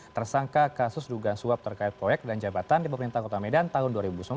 tersangka kasus dugaan suap terkait proyek dan jabatan di pemerintah kota medan tahun dua ribu sembilan belas